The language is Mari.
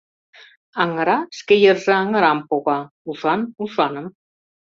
Аҥыра шке йырже аҥырам пога, ушан — ушаным».